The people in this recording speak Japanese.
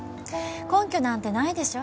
根拠なんてないでしょ。